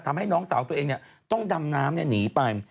ทำให้น้องสาวตัวเองต้องดำน้ำหนีไป